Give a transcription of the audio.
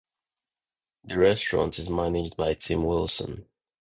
The restaurant is managed by Tim Wilson.